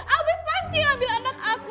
abe pasti ambil anak aku